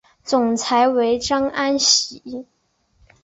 总裁为张安喜。